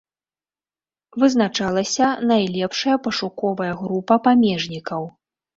Вызначалася найлепшая пашуковая група памежнікаў.